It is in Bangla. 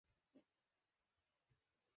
শশী অবাক হইয়া বলিল, বিন্দুকে বাড়ি নিয়ে যাবে?